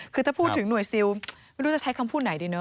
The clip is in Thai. คือถ้าพูดถึงหน่วยซิลไม่รู้จะใช้คำพูดไหนดีเนอ